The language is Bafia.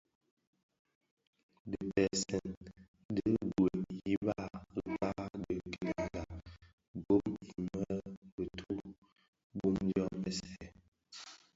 Dhipèseèn ti gwed i be ya mpkag di kilenga gom imë bituu bum dyoň npèsèn.